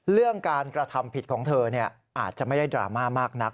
เรื่องการกระทำผิดของเธออาจจะไม่ได้ดราม่ามากนัก